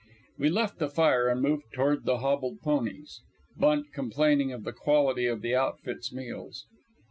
We left the fire and moved toward the hobbled ponies, Bunt complaining of the quality of the outfit's meals.